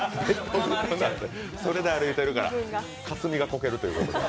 それで歩いてるからかつみがコケるという。